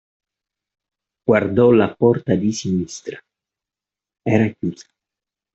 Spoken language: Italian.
Guardò la porta di sinistra: era chiusa.